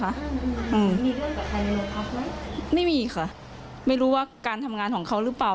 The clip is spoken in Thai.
อืมมีเรื่องกับใครในโรงพักไหมไม่มีค่ะไม่รู้ว่าการทำงานของเขาหรือเปล่า